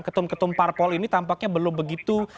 ketum ketum parpol ini tampaknya belum begitu